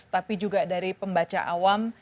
tapi juga dari pembaca awam